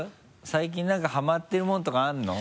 最近なんかはまってる物とかあるの？